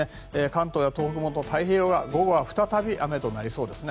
関東や東北、太平洋側午後は再び雨となりそうです。